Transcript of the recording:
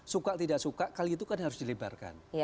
suka tidak suka kali itu kan harus dilebarkan